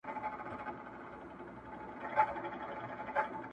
ځوانان هڅه کوي هېر کړي ډېر،